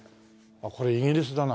あっこれイギリスだな。